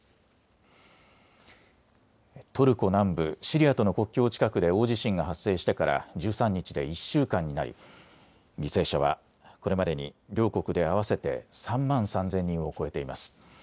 トルコ南部、シリアとの国境近くで大地震が発生してから１３日で１週間になり犠牲者はこれまでに両国で合わせて３万３０００人を超えています。